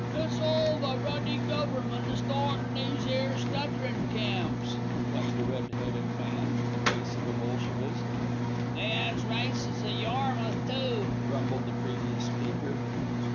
"It's all the ruddy Government, a startin' these 'ere stutterin' camps," complained a red headed man with the face of a Bolshevist. "They 'as races at Yarmouth, too," grumbled the previous speaker.